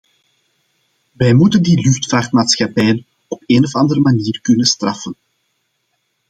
Wij moeten die luchtvaartmaatschappijen op een of andere manier kunnen straffen.